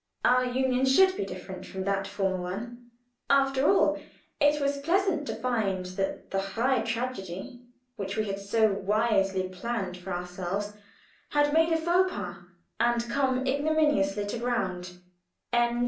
Our union should be different from that former one. After all it was pleasant to find that the high tragedy which we had so wisely planned for ourselves had made a faux pas and come ignominiously to ground.